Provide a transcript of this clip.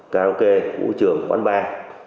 karaoke vũ trường quán bar